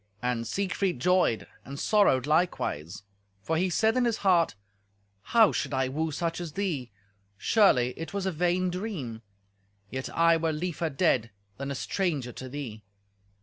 And Siegfried joyed, and sorrowed likewise, for he said in his heart, "How should I woo such as thee? Surely it was a vain dream; yet I were liefer dead than a stranger to thee."